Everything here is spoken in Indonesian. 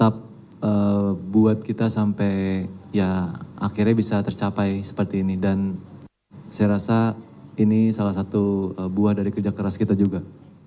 kita sampai ya akhirnya bisa tercapai seperti ini dan saya rasa ini salah satu buah dari kerja keras kita juga